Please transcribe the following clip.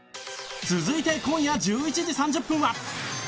続いて今夜１１時３０分は。